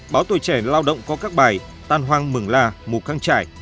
báo tuổi trẻ lao động có các bài tan hoang mường la mù căng trải